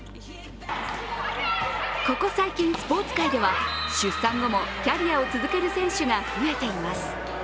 ここ最近、スポーツ界では出産後もキャリアを続ける選手が増えています。